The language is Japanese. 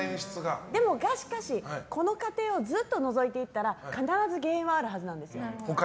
が、しかし、この家庭をずっとのぞいて行ったら必ず原因はあるはずなんですよ。